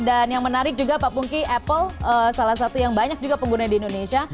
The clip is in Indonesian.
dan yang menarik juga pak pungki apple salah satu yang banyak juga pengguna di indonesia